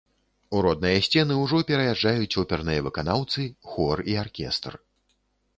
У родныя сцены ўжо пераязджаюць оперныя выканаўцы, хор і аркестр.